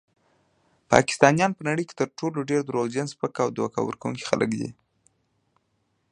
پاکستانیان په نړۍ کې تر ټولو ډیر دروغجن، سپک او دوکه ورکونکي خلک دي.